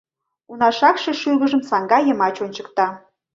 — Уна шакше шӱргыжым саҥга йымач ончыкта...